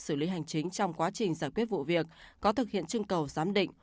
xử lý hành chính trong quá trình giải quyết vụ việc có thực hiện chương cầu giám định